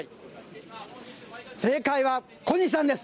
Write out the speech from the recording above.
正解は、小西さんです。